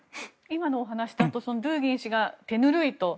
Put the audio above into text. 今のお話だとドゥーギン氏が手ぬるいと。